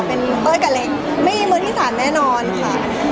เป็นเต้ยกับเล็กไม่มีมือที่๓แน่นอนค่ะ